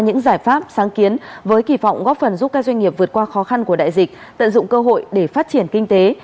những giải pháp sáng kiến với kỳ vọng góp phần giúp các doanh nghiệp vượt qua khó khăn của đại dịch tận dụng cơ hội để phát triển kinh tế